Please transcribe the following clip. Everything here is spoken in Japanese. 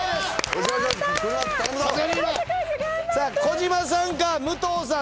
児嶋さんか武藤さん